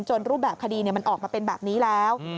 รูปแบบคดีมันออกมาเป็นแบบนี้แล้ว